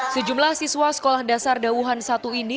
sejumlah siswa sekolah dasar dauhan satu ini